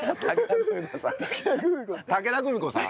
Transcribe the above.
武田久美子さん？